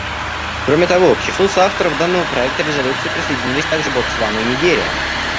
Кроме того, к числу соавторов данного проекта резолюции присоединились также Ботсвана и Нигерия.